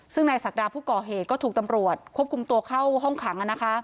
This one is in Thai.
ซึ่งนายศักดาผู้ก่อเหตุก็ถูกตำรวจควบคุมตัวเข้าห้องขัง